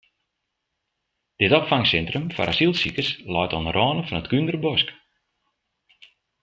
Dit opfangsintrum foar asylsikers leit oan de râne fan it Kúnderbosk.